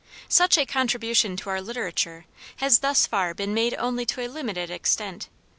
Such a contribution to our literature has thus far been made only to a limited extent.